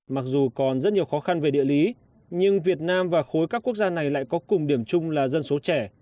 mặc dù còn rất nhiều khó khăn về địa lý nhưng việt nam và khối các quốc gia này lại có cùng điểm chung là dân số trẻ